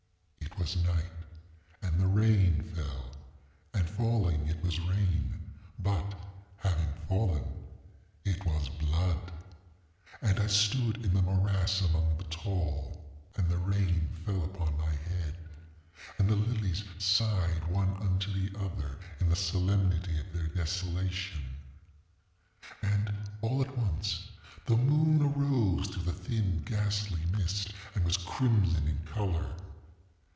ŌĆ£It was night, and the rain fell; and falling, it was rain, but, having fallen, it was blood. And I stood in the morass among the tall and the rain fell upon my headŌĆöand the lilies sighed one unto the other in the solemnity of their desolation. ŌĆ£And, all at once, the moon arose through the thin ghastly mist, and was crimson in color.